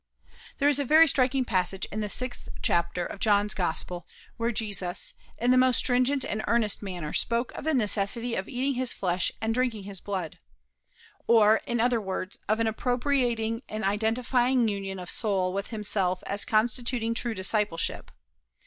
There is a very striking passage in the sixth chapter of John's Gospel, where Jesus, in the most stringent and earnest manner, spoke of the necessity of eating his flesh and drinking his blood; or, in other words, of an appropriating and identifying union of soul with himself as constituting true discipleship.